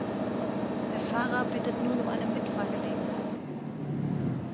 Der Fahrer bittet nun um eine Mitfahrgelegenheit.